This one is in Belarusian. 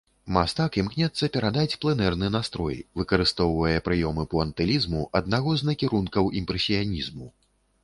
Мастак імкнецца перадаць пленэрны настрой, выкарыстоўвае прыёмы пуантылізму, аднаго з накірункаў імпрэсіянізму.